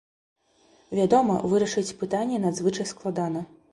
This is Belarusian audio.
Вядома, вырашыць пытанне надзвычай складана.